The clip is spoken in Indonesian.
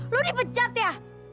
lo dipecat ya